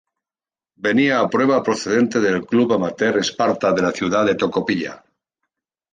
Venía a prueba procedente del club amateur Esparta de la ciudad de Tocopilla.